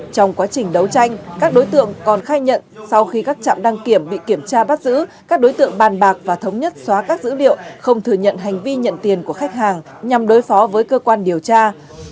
trong quá trình đấu tranh các đối tượng còn khai nhận sau khi các trạm đăng kiểm bị kiểm tra bắt giữ các đối tượng bàn bạc và thống nhất xóa các dữ liệu không thừa nhận hành vi nhận tiền của khách hàng nhằm đối phó với cơ quan điều tra